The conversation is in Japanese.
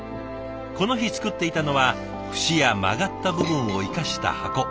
この日作っていたのは節や曲がった部分を生かした箱。